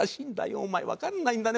お前わかんないんだね